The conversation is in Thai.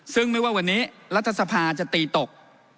ซึ่งไม่ว่าวันนี้รัฐสภาจะตีตก